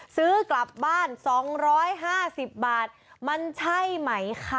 ซื้อกลับบ้าน๒๕๐บาทมันใช่ไหมคะ